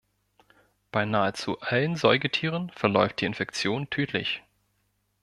Bei nahezu allen Säugetieren verläuft die Infektion tödlich.